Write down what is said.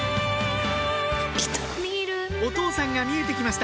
お父さんが見えて来ました